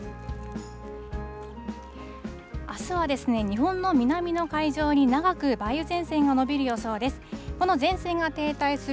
あすは、日本の南の海上に長く梅雨前線が延びる予想です。